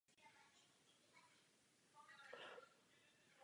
Předpokládá se sestavení většinové vlády.